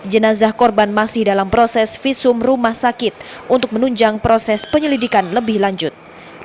jenazah korban masih dalam proses visum rumah sakit untuk menunjang proses penyelidikan lebih lanjut